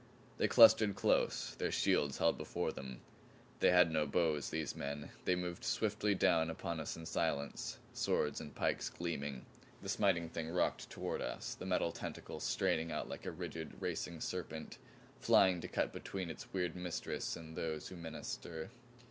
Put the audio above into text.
They clustered close, their shields held before them. They had no bows, these men. They moved swiftly down upon us in silence swords and pikes gleaming. The Smiting Thing rocked toward us, the metal tentacle straining out like a rigid, racing serpent, flying to cut between its weird mistress and those who menaced her.